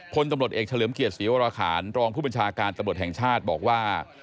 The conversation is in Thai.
พลตำรวจเอกเฉลิมเกียรติศรีวราคารรองผู้บัญชาการตำรวจแห่งชาติบอกว่า